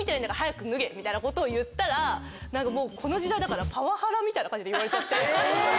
みたいなことを言ったらこの時代だからパワハラみたいな感じで言われちゃって。